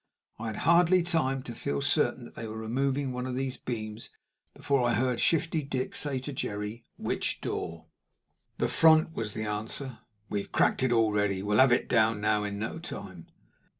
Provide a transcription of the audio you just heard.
I had hardly time to feel certain that they were removing one of these beams before I heard Shifty Dick say to Jerry. "Which door?" "The front," was the answer. "We've cracked it already; we'll have it down now in no time."